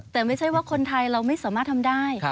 แต่ไม่ใช่ว่าคนไทยเราไม่สามารถทำได้